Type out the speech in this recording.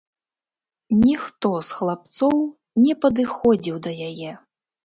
Ніхто з хлапцоў не падыходзіў да яе.